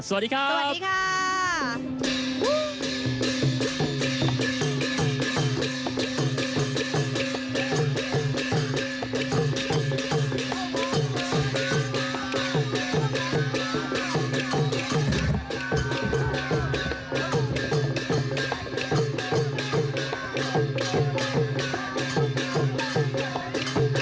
สวัสดีครับ